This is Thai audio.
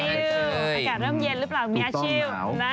อากาศเริ่มเย็นหรือเปล่ามีฮัทชิล